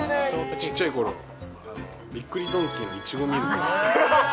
ちっちゃいころ、びっくりドンキーのイチゴミルクが好きです。